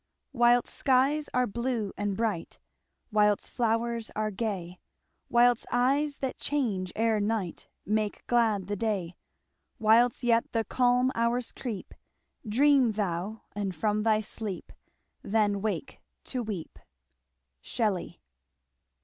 Whilst skies are blue and bright. Whilst flowers are gay, Whilst eyes that change ere night Make glad the day; Whilst yet the calm hours creep, Dream thou and from thy sleep Then wake to weep. Shelley.